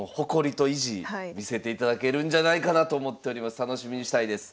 楽しみにしたいです。